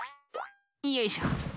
よいしょ。